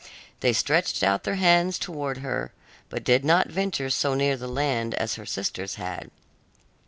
They stretched out their hands towards her, but did not venture so near the land as her sisters had.